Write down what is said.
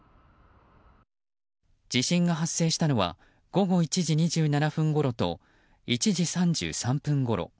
地震が発生したのは午後１時２７分ごろと１時３３分ごろ。